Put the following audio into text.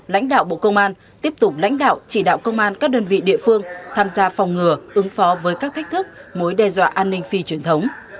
lãnh đạo bộ công an tiếp tục lãnh đạo chỉ đạo công an các đơn vị địa phương tham gia phòng ngừa ứng phó với các thách thức mối đe dọa an ninh phi truyền thống